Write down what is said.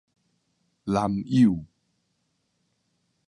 男友